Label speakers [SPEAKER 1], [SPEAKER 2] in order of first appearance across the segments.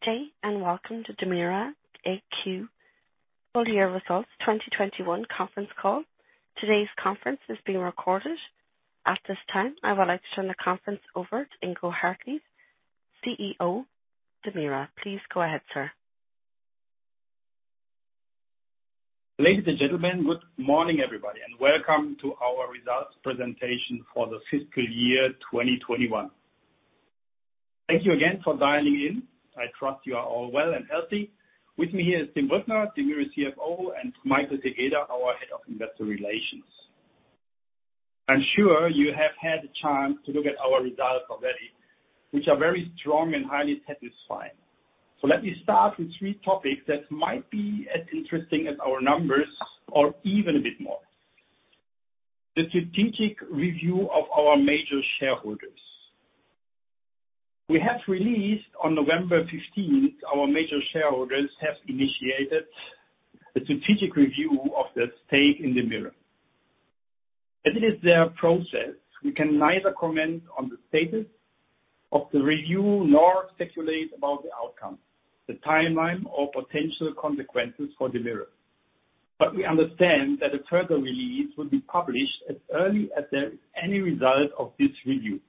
[SPEAKER 1] Good day, and welcome to DEMIRE AG Full Year Results 2021 Conference Call. Today's conference is being recorded. At this time, I would like to turn the conference over to Ingo Hartlief, CEO, DEMIRE. Please go ahead, sir.
[SPEAKER 2] Ladies and gentlemen, good morning, everybody, and welcome to our results presentation for the fiscal year 2021. Thank you again for dialing in. I trust you are all well and healthy. With me here is Tim Brückner, DEMIRE CFO, and Michael Tegeder, our Head of Investor Relations. I'm sure you have had the chance to look at our results already, which are very strong and highly satisfying. Let me start with three topics that might be as interesting as our numbers or even a bit more. The strategic review of our major shareholders. We have released on November 15th, that our major shareholders have initiated a strategic review of their stake in DEMIRE. As it is their process, we can neither comment on the status of the review nor speculate about the outcome, the timeline, or potential consequences for DEMIRE. We understand that a further release will be published as early as there is any result of this review.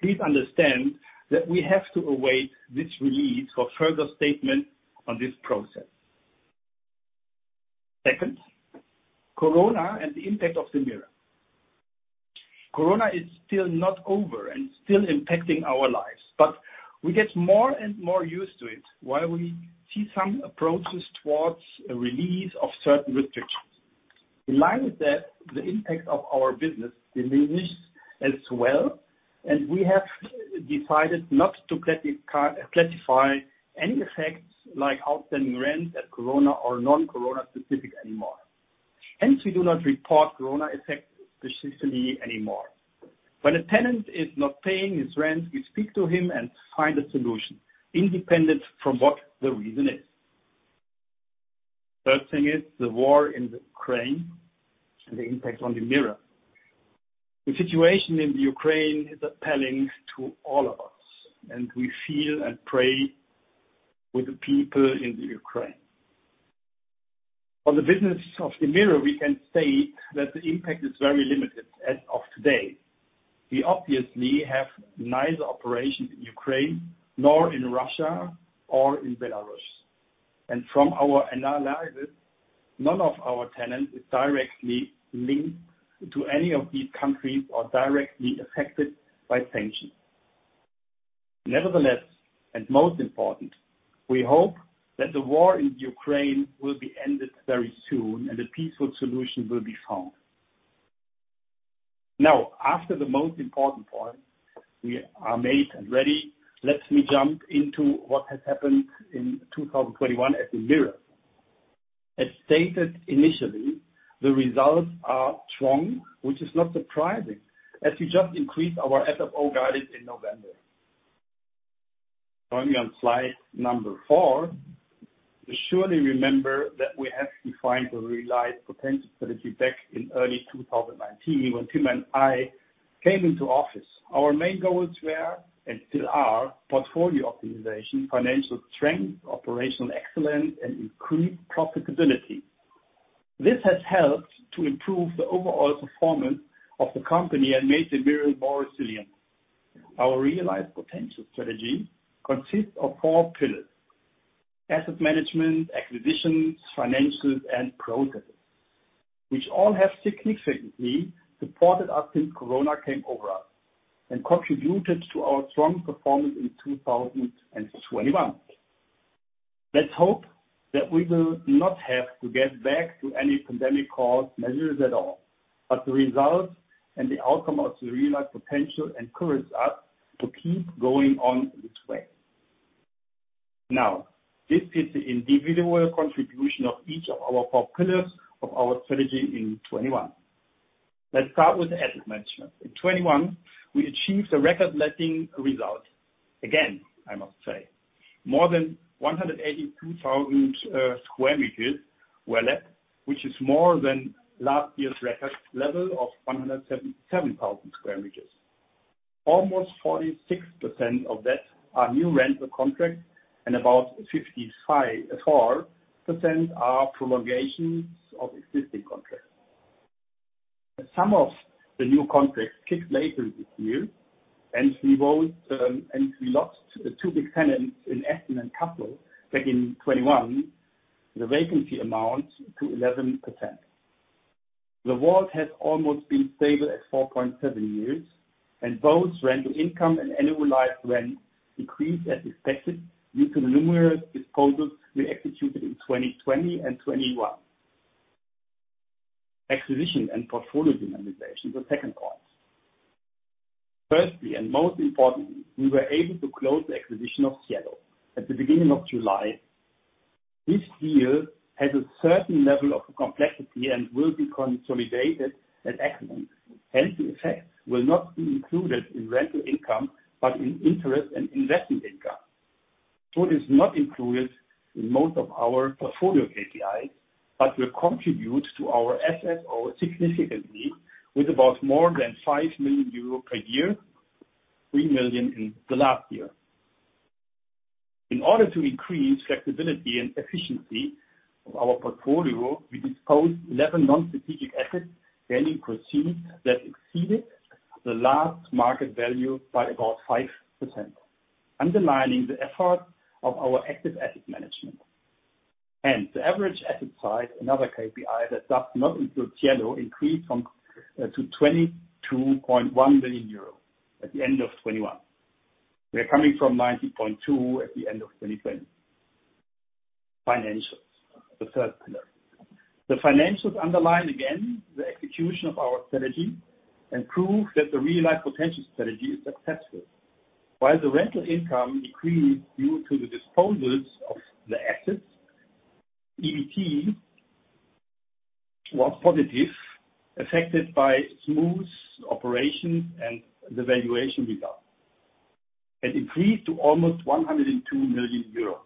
[SPEAKER 2] Please understand that we have to await this release for further statement on this process. Second, Corona and the impact of DEMIRE. Corona is still not over and still impacting our lives, but we get more and more used to it while we see some approaches towards a release of certain restrictions. In line with that, the impact of our business diminishes as well, and we have decided not to classify any effects like outstanding rents as Corona or non-Corona specific anymore. Hence, we do not report Corona effects specifically anymore. When a tenant is not paying his rent, we speak to him and find a solution independent from what the reason is. Third thing is the war in Ukraine and the impact on DEMIRE. The situation in the Ukraine is appalling to all of us, and we feel and pray with the people in the Ukraine. On the business of DEMIRE, we can say that the impact is very limited as of today. We obviously have neither operations in Ukraine nor in Russia or in Belarus. From our analysis, none of our tenants is directly linked to any of these countries or directly affected by sanctions. Nevertheless, and most important, we hope that the war in Ukraine will be ended very soon and a peaceful solution will be found. Now, after the most important point, we are made and ready. Let me jump into what has happened in 2021 at DEMIRE. As stated initially, the results are strong, which is not surprising as we just increased our FFO guidance in November. Going on slide number four. You surely remember that we have defined the REALize Potential strategy back in early 2019 when Tim and I came into office. Our main goals were, and still are, portfolio optimization, financial strength, operational excellence, and increased profitability. This has helped to improve the overall performance of the company and made DEMIRE more resilient. Our REALize Potential strategy consists of four pillars: asset management, acquisitions, financials, and processes, which all have significantly supported us since Corona came over us and contributed to our strong performance in 2021. Let's hope that we will not have to get back to any pandemic-caused measures at all, but the results and the outcome of the REALize Potential encourage us to keep going on this way. Now, this is the individual contribution of each of our four pillars of our strategy in 21. Let's start with asset management. In 2021, we achieved a record letting result. Again, I must say. More than 182,000 sq m were let, which is more than last year's record level of 177,000 sq m. Almost 46% of that are new rental contracts, and about 54% are prolongations of existing contracts. Some of the new contracts kicked later this year, and we lost two big tenants in Essen and Kassel back in 2021. The vacancy amounts to 11%. The WALT has almost been stable at 4.7 years, and both rental income and annualized rent decreased as expected due to the numerous disposals we executed in 2020 and 2021. Acquisition and portfolio dynamization, the second point. Firstly, and most importantly, we were able to close the acquisition of CIELO at the beginning of July. This deal has a certain level of complexity and will be consolidated at Essen. Hence, the effect will not be included in rental income, but in interest and investment income. So it is not included in most of our portfolio KPI, but will contribute to our FFO significantly with about more than 5 million euro per year, 3 million in the last year. In order to increase flexibility and efficiency of our portfolio, we disposed 11 non-strategic assets, gaining proceeds that exceeded the last market value by about 5%, underlining the effort of our active asset management. The average asset size, another KPI that does not include CIELO, increased to to 22.1 billion euro at the end of 2021. We are coming from 19.2 billion at the end of 2020. Financials, the third pillar. The financials underline again the execution of our strategy and prove that the REALize Potential strategy is successful. While the rental income decreased due to the disposals of the assets, EBT was positive, affected by smooth operations and the valuation result. It increased to almost 102 million euro,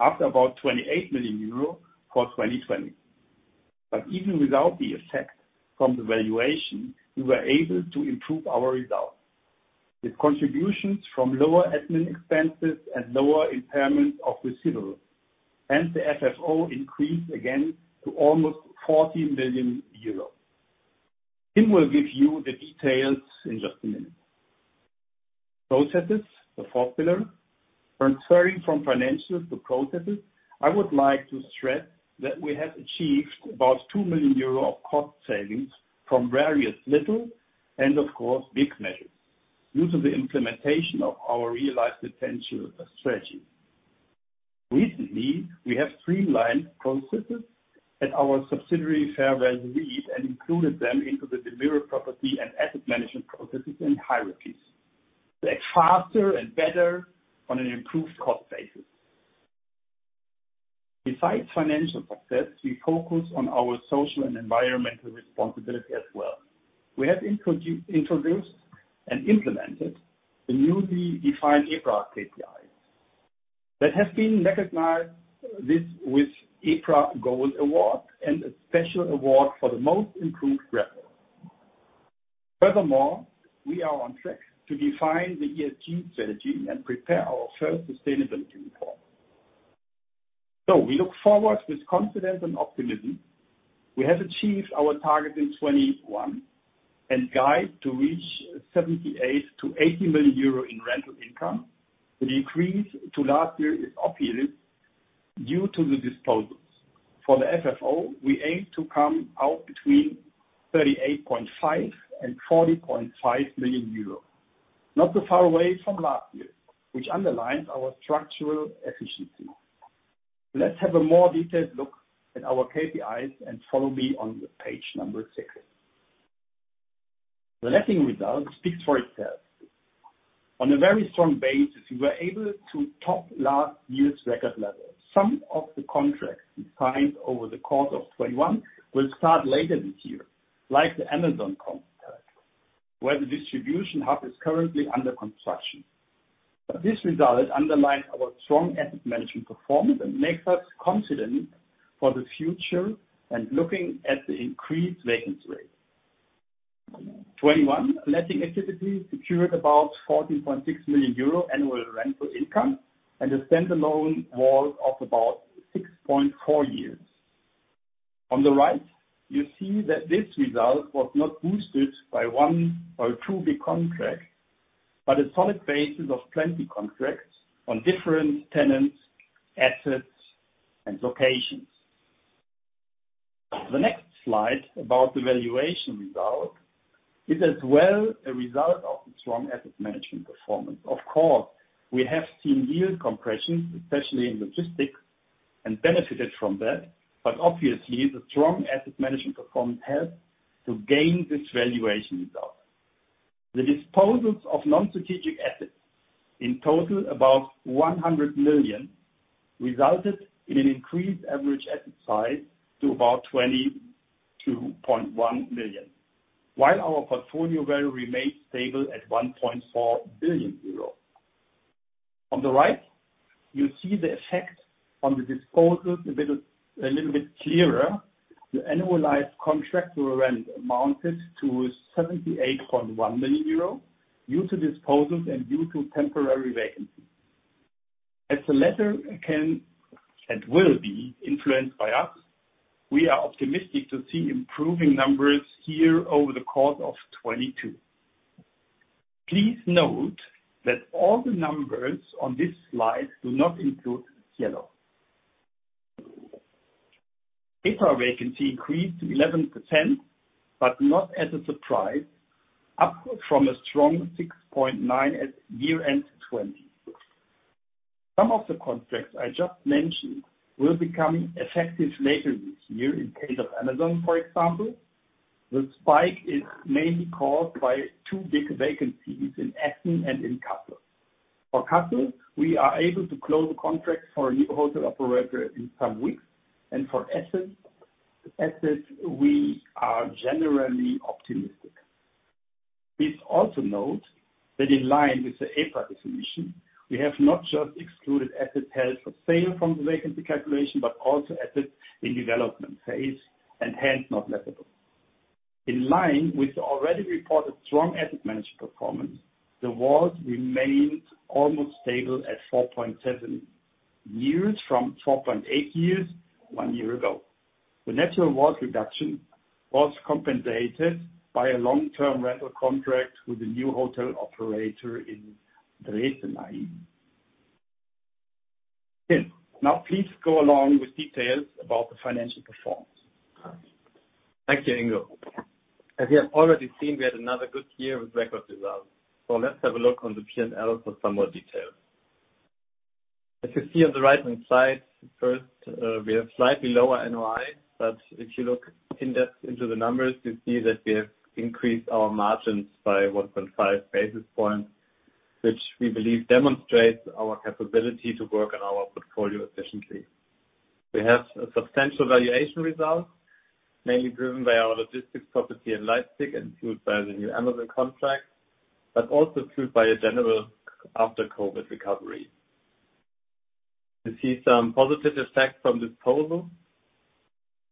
[SPEAKER 2] after about 28 million euro for 2020. Even without the effect from the valuation, we were able to improve our results. With contributions from lower admin expenses and lower impairment of receivables, hence the FFO increased again to almost 14 million euros. Tim will give you the details in just a minute. Processes, the fourth pillar. Transferring from financials to processes, I would like to stress that we have achieved about 2 million euro of cost savings from various little, and of course, big measures due to the implementation of our REALize Potential strategy. Recently, we have streamlined processes at our subsidiary, Fair Value REIT, and included them into the DEMIRE property and asset management processes and hierarchies to act faster and better on an improved cost basis. Besides financial success, we focus on our social and environmental responsibility as well. We have introduced and implemented the newly defined EPRA KPI that has been recognized with this EPRA Gold Award and a special award for the most improved. Furthermore, we are on track to define the ESG strategy and prepare our first sustainability report. We look forward with confidence and optimism. We have achieved our target in 2021 and guide to reach 78 million-80 million euro in rental income. The decrease to last year is obvious due to the disposals. For the FFO, we aim to come out between 38.5 million and 40.5 million euros, not so far away from last year, which underlines our structural efficiency. Let's have a more detailed look at our KPIs and follow me on page six. The letting results speak for itself. On a very strong basis, we were able to top last year's record level. Some of the contracts we signed over the course of 2021 will start later this year, like the Amazon contract, where the distribution hub is currently under construction. This result underlines our strong asset management performance and makes us confident for the future and looking at the increased vacancy rate. 2021 letting activity secured about 14.6 million euro annual rental income, and the standalone WALT of about 6.4 years. On the right, you see that this result was not boosted by one or two big contracts, but a solid basis of plenty contracts on different tenants, assets, and locations. The next slide about the valuation result is as well a result of the strong asset management performance. Of course, we have seen yield compression, especially in logistics and benefited from that. But obviously, the strong asset management performance helped to gain this valuation result. The disposals of non-strategic assets, in total about 100 million, resulted in an increased average asset size to about 22.1 million, while our portfolio value remains stable at 1.4 billion euro. On the right, you see the effect on the disposals a little bit clearer. The annualized contractual rent amounted to 78.1 million euro due to disposals and due to temporary vacancy. As the latter can and will be influenced by us, we are optimistic to see improving numbers here over the course of 2022. Please note that all the numbers on this slide do not include CIELO. Data vacancy increased to 11%, but not as a surprise, up from a strong 6.9% at year-end 2020. Some of the contracts I just mentioned will become effective later this year. In case of Amazon, for example, the spike is mainly caused by two big vacancies in Essen and in Kassel. For Kassel, we are able to close the contract for a new hotel operator in some weeks. For Essen assets, we are generally optimistic. Please also note that in line with the EPRA definition, we have not just excluded assets held for sale from the vacancy calculation, but also assets in development phase and hence not lettable. In line with the already reported strong asset management performance, the WALT remained almost stable at 4.7 years from 4.8 years one year ago. The natural WALT reduction was compensated by a long-term rental contract with a new hotel operator in Dresden. Tim, now please go along with details about the financial performance.
[SPEAKER 3] Thank you, Ingo. As you have already seen, we had another good year with record results. Let's have a look on the P&L for some more details. As you see on the right-hand side, first, we have slightly lower NOI, but if you look in-depth into the numbers, you see that we have increased our margins by 1.5 basis points, which we believe demonstrates our capability to work on our portfolio efficiently. We have a substantial valuation result, mainly driven by our logistics property in Leipzig and fueled by the new Amazon contract, but also fueled by a general after-COVID recovery. You see some positive effects from disposal.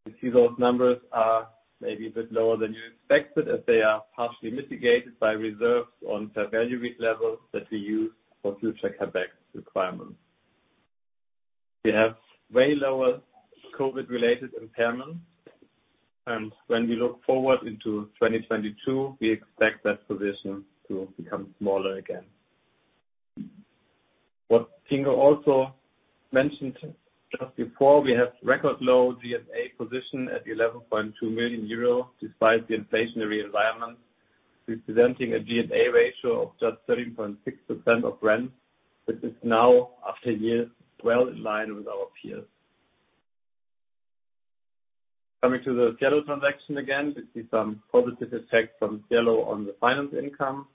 [SPEAKER 3] You see those numbers are maybe a bit lower than you expected, as they are partially mitigated by reserves on fair value risk levels that we use for future CapEx requirements. We have way lower COVID-related impairments, and when we look forward into 2022, we expect that position to become smaller again. What Ingo also mentioned just before, we have record low GS&A position at 11.2 million euro, despite the inflationary environment, representing a GS&A ratio of just 13.6% of rent. This is now, after years, well in line with our peers. Coming to the scale of transaction again, we see some positive effects from CIELO on the finance income,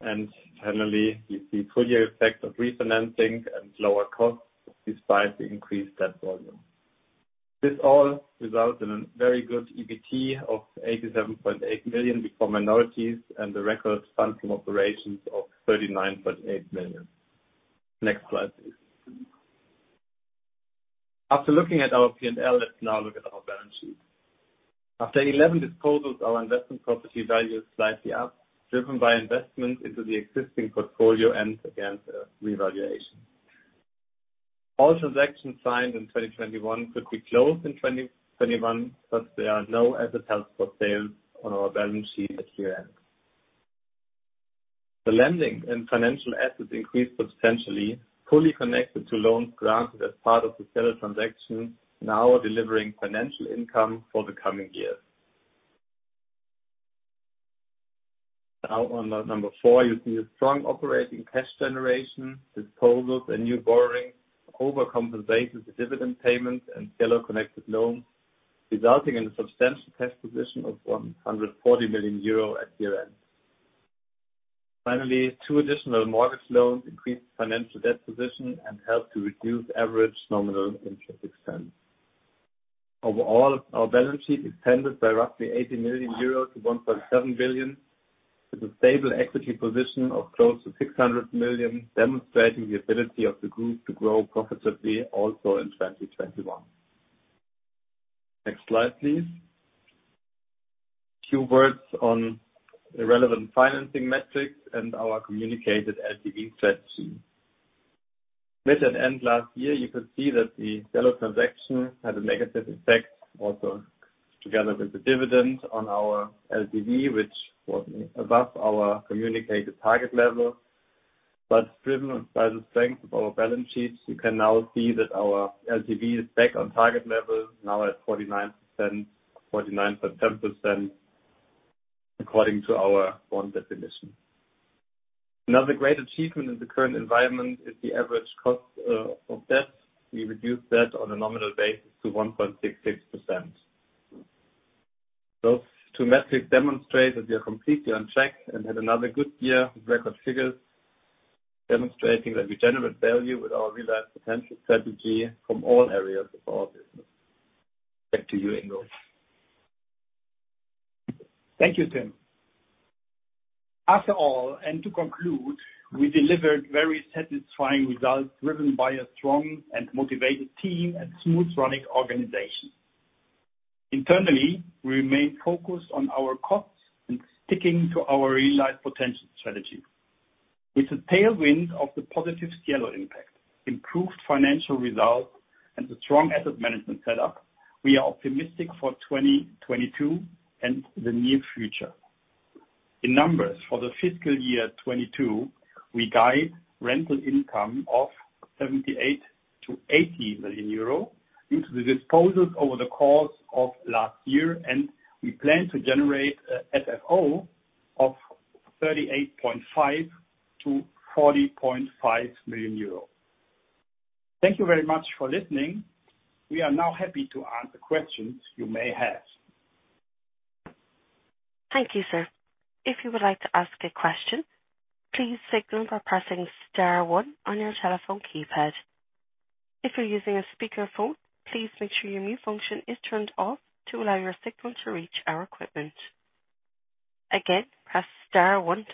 [SPEAKER 3] and generally, we see full year effects of refinancing and lower costs despite the increased debt volume. This all results in a very good EBT of 87.8 million before minorities and the record funds from operations of 39.8 million. Next slide, please. After looking at our P&L, let's now look at our balance sheet. After 11 disposals, our investment property value is slightly up, driven by investment into the existing portfolio and, again, revaluation. All transactions signed in 2021 could be closed in 2021, but there are no assets held for sale on our balance sheet at year-end. The lending and financial assets increased substantially, fully connected to loans granted as part of the seller transaction, now delivering financial income for the coming years. Now on number four, you see a strong operating cash generation, disposals and new borrowings overcompensates the dividend payment and seller-connected loans, resulting in a substantial cash position of 140 million euro at year-end. Finally, two additional mortgage loans increased financial debt position and helped to reduce average nominal interest expense. Overall, our balance sheet expanded by roughly 80 million euros to 1.7 billion, with a stable equity position of close to 600 million, demonstrating the ability of the group to grow profitably also in 2021. Next slide, please. Two words on relevant financing metrics and our communicated LTV strategy. At the end of last year, you could see that the CIELO transaction had a negative effect, also together with the dividend on our LTV, which was above our communicated target level. Driven by the strength of our balance sheets, you can now see that our LTV is back on target levels, now at 49%-49.10% according to our own definition. Another great achievement in the current environment is the average cost of debt. We reduced that on a nominal basis to 1.66%. Those two metrics demonstrate that we are completely on track and had another good year with record figures, demonstrating that we generate value with our REALize Potential strategy from all areas of our business. Back to you, Ingo.
[SPEAKER 2] Thank you, Tim. After all, and to conclude, we delivered very satisfying results driven by a strong and motivated team and smooth running organization. Internally, we remain focused on our costs and sticking to our REALize Potential strategy. With the tailwind of the positive scale impact, improved financial results, and the strong asset management setup, we are optimistic for 2022 and the near future. In numbers for the fiscal year 2022, we guide rental income of 78 million-80 million euro including the disposals over the course of last year, and we plan to generate FFO of 38.5 million-40.5 million euros. Thank you very much for listening. We are now happy to answer questions you may have.
[SPEAKER 1] Thank you, sir. If you would like to ask a question, please signal by pressing star one on your telephone keypad. If you're using a speakerphone, please make sure your mute function is turned off to allow your signal to reach our equipment. Again, press star one.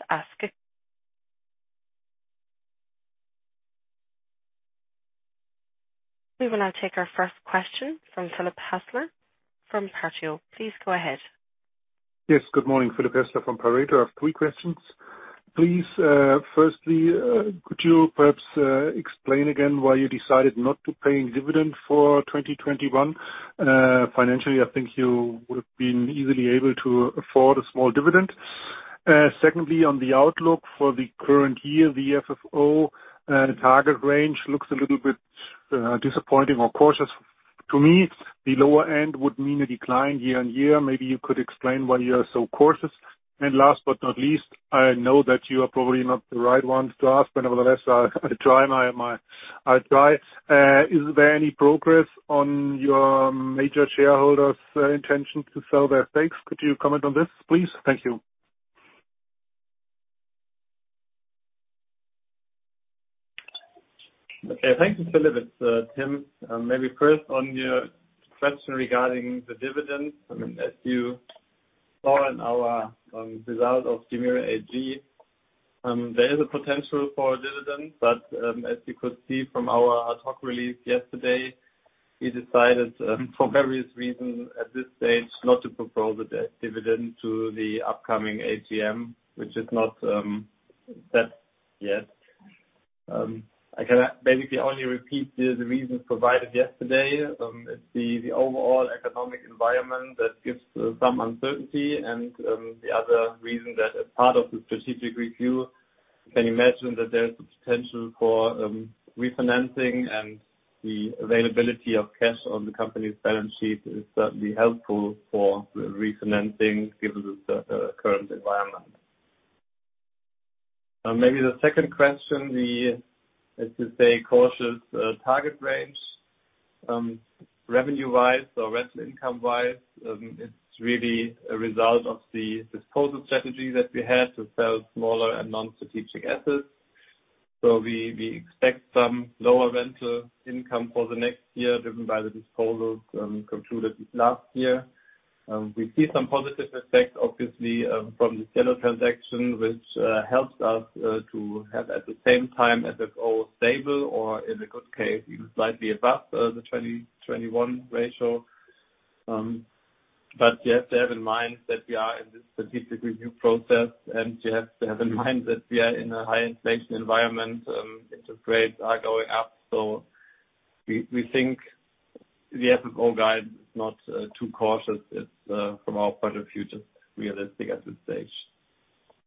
[SPEAKER 1] We will now take our first question from Philipp Hässler from Pareto. Please go ahead.
[SPEAKER 4] Yes. Good morning, Philipp Hässler from Pareto. I have three questions. Please, firstly, could you perhaps explain again why you decided not to pay any dividend for 2021? Financially, I think you would have been easily able to afford a small dividend. Secondly, on the outlook for the current year, the FFO target range looks a little bit disappointing or cautious to me. The lower end would mean a decline year-on-year. Maybe you could explain why you are so cautious. Last but not least, I know that you are probably not the right ones to ask, but nevertheless, I'll try. Is there any progress on your major shareholders' intention to sell their stakes? Could you comment on this, please? Thank you.
[SPEAKER 3] Okay. Thank you, Philipp. It's Tim. Maybe first on your question regarding the dividends. I mean, as you saw in our result of DEMIRE AG, there is a potential for dividend, but as you could see from our ad hoc release yesterday, we decided for various reasons at this stage not to propose the dividend to the upcoming AGM, which is not set yet. I can maybe only repeat the reasons provided yesterday. It's the overall economic environment that gives some uncertainty and the other reason that as part of the strategic review, you can imagine that there is the potential for refinancing and the availability of cash on the company's balance sheet is certainly helpful for refinancing given the current environment. Maybe the second question, let's just say, cautious target range, revenue-wise or rental income-wise, it's really a result of the disposal strategy that we had to sell smaller and non-strategic assets. We expect some lower rental income for the next year driven by the disposals concluded this last year. We see some positive effects, obviously, from the CIELO transaction, which helps us to have at the same time, as it's all stable or in a good case, even slightly above the 2021 ratio. You have to have in mind that we are in this strategic review process, and you have to have in mind that we are in a high inflation environment, interest rates are going up. We think the FFO guide is not too cautious. It's from our point of view, just realistic at this stage.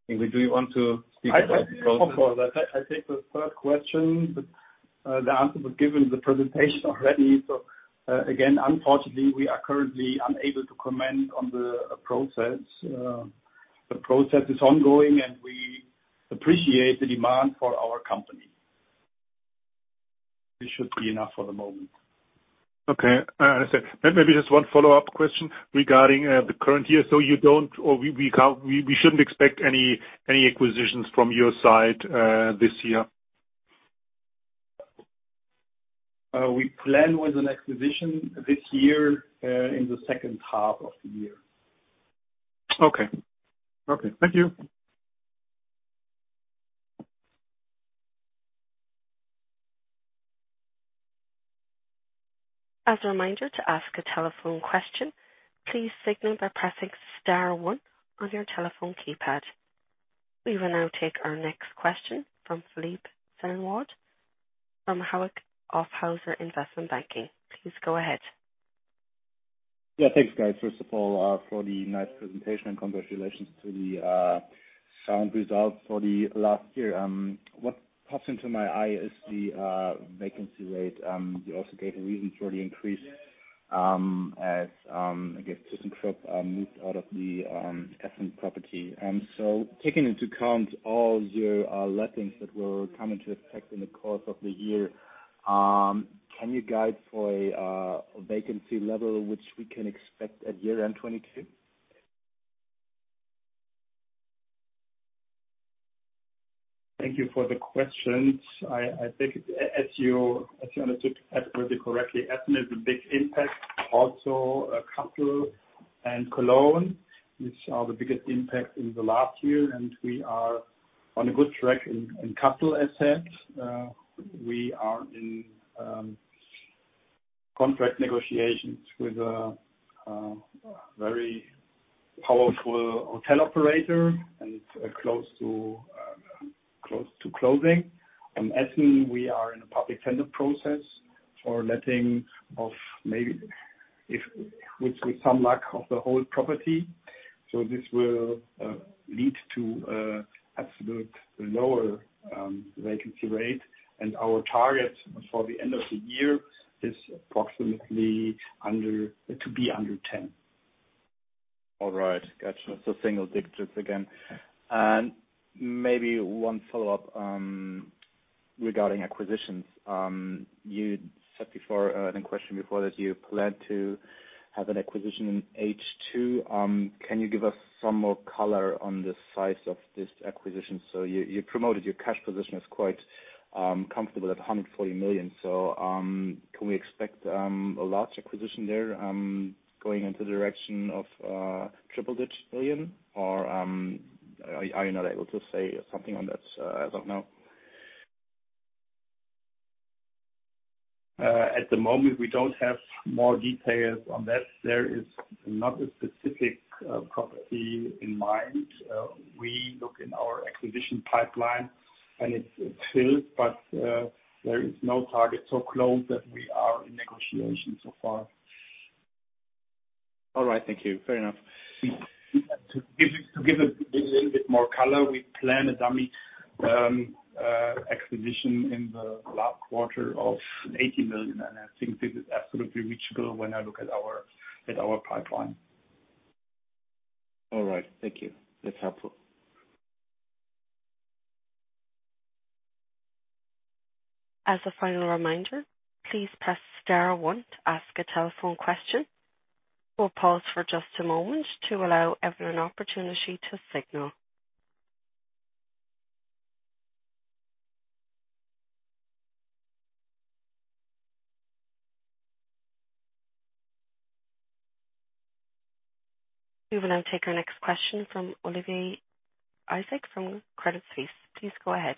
[SPEAKER 3] Ingo, do you want to speak about the process?
[SPEAKER 2] I take the third question, but the answer was given in the presentation already. Again, unfortunately, we are currently unable to comment on the process. The process is ongoing, and we appreciate the demand for our company. This should be enough for the moment.
[SPEAKER 4] Okay. Understand. Maybe just one follow-up question regarding the current year. You don't or we can't, we shouldn't expect any acquisitions from your side this year?
[SPEAKER 2] We plan with an acquisition this year, in the second half of the year.
[SPEAKER 4] Okay. Thank you.
[SPEAKER 1] As a reminder to ask a telephone question, please signal by pressing star one on your telephone keypad. We will now take our next question from Philipp Sennewald from Hauck Aufhäuser Investment Banking. Please go ahead.
[SPEAKER 5] Yeah, thanks, guys. First of all, for the nice presentation and congratulations to the strong result for the last year. What catches my eye is the vacancy rate. You also gave the reasons for the increase, as I guess, [Systems Group] moved out of the Essen property. Taking into account all your lettings that will come into effect in the course of the year, can you guide for a vacancy level which we can expect at year-end 2022?
[SPEAKER 2] Thank you for the questions. I think as you understood really correctly, Essen is a big impact, also Kassel and Cologne, which are the biggest impact in the last year. We are on a good track in Kassel asset. We are in contract negotiations with a very powerful hotel operator, and it's close to closing. Essen, we are in a public tender process for letting, maybe with some luck, of the whole property. This will lead to an absolute lower vacancy rate. Our target for the end of the year is approximately to be under 10%.
[SPEAKER 5] All right. Got you. Single digits again. Maybe one follow-up regarding acquisitions. You said before, in a question before that you plan to have an acquisition in H2. Can you give us some more color on the size of this acquisition? You promoted your cash position as quite comfortable at 140 million. Can we expect a large acquisition there, going into the direction of triple-digit million? Or are you not able to say something on that as of now?
[SPEAKER 2] At the moment, we don't have more details on that. There is not a specific property in mind. We look in our acquisition pipeline, and it's filled, but there is no target so close that we are in negotiation so far.
[SPEAKER 5] All right, thank you. Fair enough.
[SPEAKER 2] To give a little bit more color, we plan a dummy acquisition in the last quarter of 80 million, and I think this is absolutely reachable when I look at our pipeline.
[SPEAKER 5] All right, thank you. That's helpful.
[SPEAKER 1] As a final reminder, please press star one to ask a telephone question. We'll pause for just a moment to allow everyone an opportunity to signal. We will now take our next question from Oliver Isaac from Credit Suisse. Please go ahead.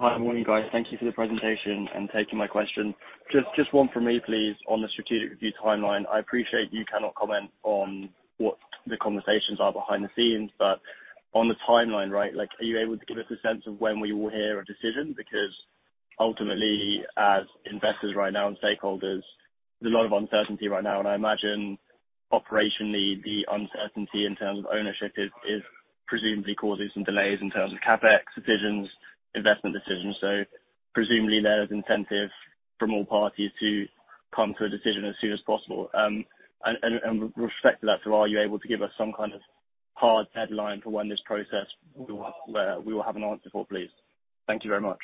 [SPEAKER 6] Hi, good morning, guys. Thank you for the presentation and taking my question. Just one for me, please, on the strategic review timeline. I appreciate you cannot comment on what the conversations are behind the scenes, but on the timeline, right, like, are you able to give us a sense of when we will hear a decision? Because ultimately, as investors right now and stakeholders, there's a lot of uncertainty right now, and I imagine operationally the uncertainty in terms of ownership is presumably causing some delays in terms of CapEx decisions, investment decisions. Presumably there's incentive from all parties to come to a decision as soon as possible. With respect to that, are you able to give us some kind of hard deadline for when this process where we will have an answer for, please? Thank you very much.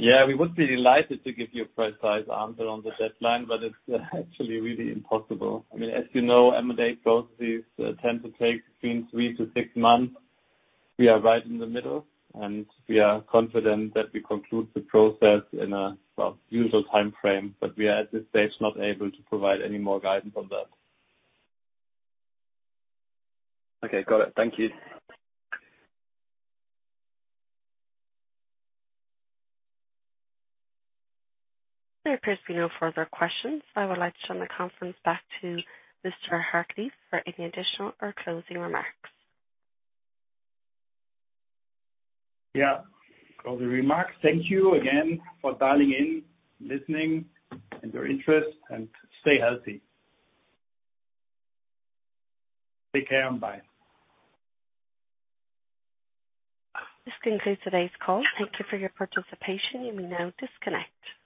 [SPEAKER 2] Yeah, we would be delighted to give you a precise answer on the deadline, but it's actually really impossible. I mean, as you know, M&A processes tend to take between three to six months. We are right in the middle, and we are confident that we conclude the process in a, well, usual timeframe, but we are, at this stage, not able to provide any more guidance on that.
[SPEAKER 6] Okay, got it. Thank you.
[SPEAKER 1] There appears to be no further questions. I would like to turn the conference back to Mr. Hartlief for any additional or closing remarks.
[SPEAKER 2] Yeah. Closing remarks. Thank you again for dialing in, listening, and your interest, and stay healthy. Take care and bye.
[SPEAKER 1] This concludes today's call. Thank you for your participation. You may now disconnect.